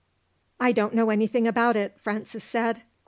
"I don't know anything about it," Francis said.